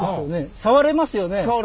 触れますね。